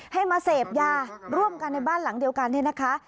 ให้มาเสพยาร่วมกันในบ้านหลังเดียวกันเนี่ยนะคะ